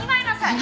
何？